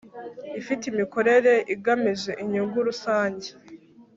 ifite imikorere igamije inyungu rusange